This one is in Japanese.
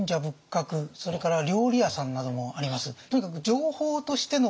それから料理屋さんなどもあります。